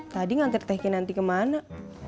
tadi ngantri teh kinanti kemana